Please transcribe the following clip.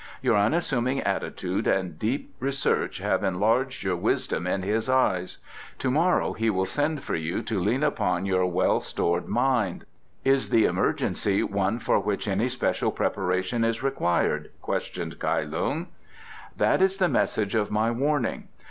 Your unassuming attitude and deep research have enlarged your wisdom in his eyes. To morrow he will send for you to lean upon your well stored mind." "Is the emergency one for which any special preparation is required?" questioned Kai Lung. "That is the message of my warning.